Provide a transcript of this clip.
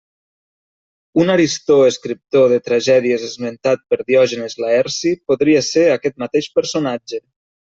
Un Aristó escriptor de tragèdies esmentat per Diògenes Laerci podria ser aquest mateix personatge.